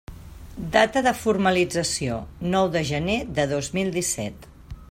Data formalització: nou de gener de dos mil disset.